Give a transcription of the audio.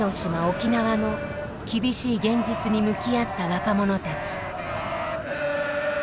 沖縄の厳しい現実に向き合った若者たち。